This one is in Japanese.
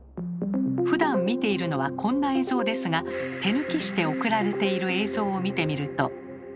ふだん見ているのはこんな映像ですが手抜きして送られている映像を見てみると。